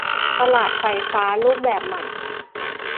ตลาดไฟฟ้ารูปแบบใหม่